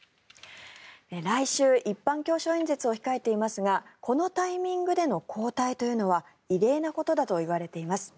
来週、一般教書演説を控えていますがこのタイミングでの交代というのは異例なことだといわれています。